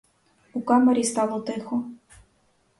У камері стало тихо.